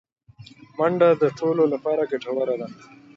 منډه د ټولو لپاره ګټوره ده